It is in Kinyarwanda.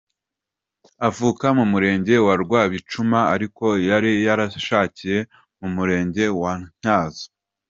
Avuka mu murenge wa Rwabicuma ariko yari yarashakiye mu murenge wa Ntyazo.